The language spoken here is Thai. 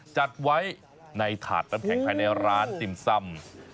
จัดไว้ในถาดน้ำแข็งภายในร้านติ่มซ่ำ